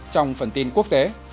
trong phần tin quốc tế